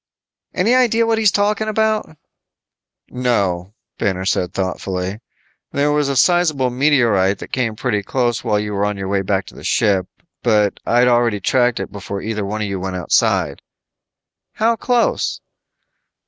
"Any idea what he's talking about?" "No," Banner said thoughtfully. "There was a sizable meteorite that came pretty close while you were on your way back to the ship, but I'd already tracked it before either one of you went outside." "How close?"